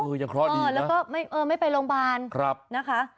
แล้วก็ไม่ไปโรงพยาบาล